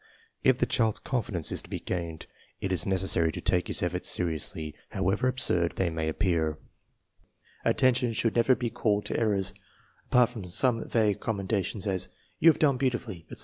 If the child's confidence is to be gained, it is necessary to take his efforts seriously, however absurd they may appear. Attention should never be called to errors. Apart from such some vague commenda tion as " You have done beautifully," etc.